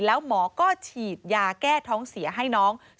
แล้วหมอก็ฉีดยาแก้ท้องเสียให้น้อง